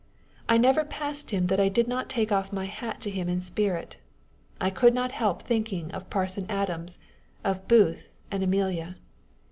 I never passed him that I did not take off my hat to him in spirit. I could not help thinking of Parson Adams, of Booth and Amelia.